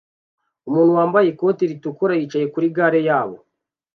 Umuntu wambaye ikoti ritukura yicaye kuri gare yabo